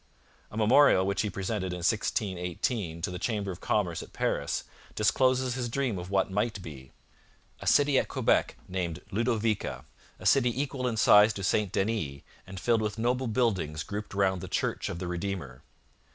A memorial which he presented in 1618 to the Chamber of Commerce at Paris discloses his dream of what might be: a city at Quebec named Ludovica, a city equal in size to St Denis and filled with noble buildings grouped round the Church of the Redeemer.